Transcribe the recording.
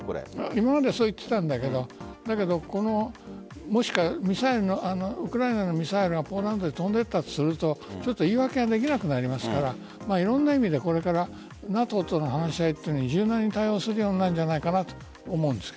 今までそう言っていたんだけどウクライナのミサイルがポールランドに飛んでいったとすると言い訳ができなくなりますからいろんな意味でこれからＮＡＴＯとの話し合いは柔軟に対応するようになるんじゃないかと思うんです。